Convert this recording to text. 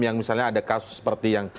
yang misalnya ada kasus seperti yang